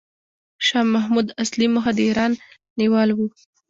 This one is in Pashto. شاه محمود اصلي موخه د ایران نیول و.